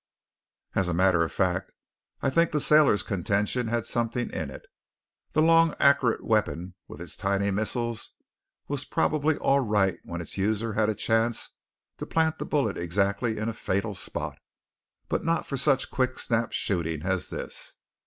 As a matter of fact I think the sailor's contention had something in it; the long accurate weapon with its tiny missile was probably all right when its user had a chance to plant the bullet exactly in a fatal spot, but not for such quick snap shooting as this.